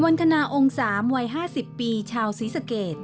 คณาองค์๓วัย๕๐ปีชาวศรีสะเกด